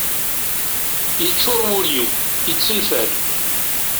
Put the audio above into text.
Yeččur wul-iw, yettenfal